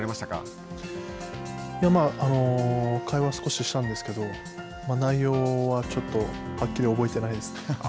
会話を少ししたんですけど内容は、ちょっとはっきり覚えてないですね。